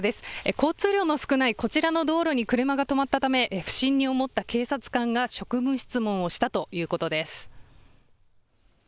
交通量の少ないこちらの道路に車が止まったため不審に思った警察官が職務質問をしたということです。